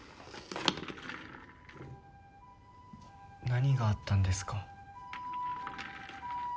何があったんですか？